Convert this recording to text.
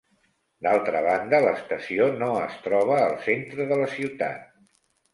D'altra banda, l'estació no es troba al centre de la ciutat.